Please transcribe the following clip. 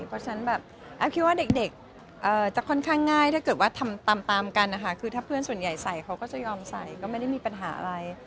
เพราะฉะนั้นแบบแอฟคิดว่าเด็กจะค่อนข้างง่ายถ้าเกิดว่าทำตามกันนะคะคือถ้าเพื่อนส่วนใหญ่ใส่เขาก็จะยอมใส่ก็ไม่ได้มีปัญหาอะไร